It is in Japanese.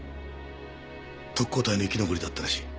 特攻隊の生き残りだったらしい。